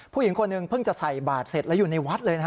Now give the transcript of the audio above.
ผู้หญิงคนหนึ่งเพิ่งจะใส่บาทเสร็จแล้วอยู่ในวัดเลยนะฮะ